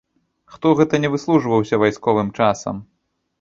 Хто гэта ні выслужваўся вайсковым часам.